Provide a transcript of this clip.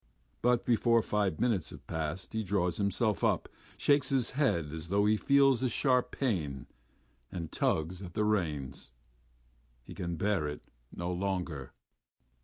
But before five minutes have passed he draws himself up, shakes his head as though he feels a sharp pain, and tugs at the reins.... He can bear it no longer.